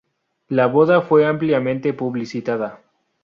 La boda fue ampliamente publicitada.